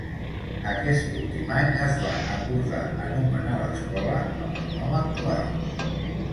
Aquest últim any es va acordar anomenar l'escola amb el nom actual: